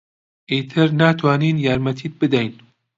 ئیتر ناتوانین یارمەتیت بدەین.